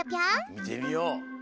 みてみよう。